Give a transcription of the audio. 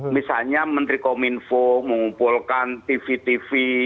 misalnya menteri kominfo mengumpulkan tv tv